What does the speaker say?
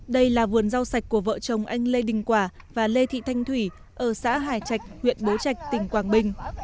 đây là vườn rau sạch của vợ chồng anh lê đình quả và lê thị thanh thủy ở xã hải trạch huyện bố trạch tỉnh quảng bình